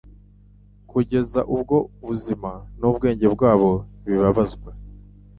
kugeza ubwo ubuzima n’ubwenge bwabo bibabazwa